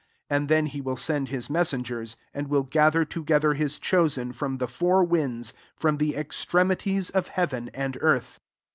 27 And then he will send [his} messen« gers, and will gather together his chosen, from the four winds, from the extremities of heaven and earth.